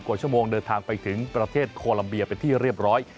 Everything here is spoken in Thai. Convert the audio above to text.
กว่าชั่วโมงเดินทางไปถึงประเทศโคลัมเบียเป็นที่เรียบร้อย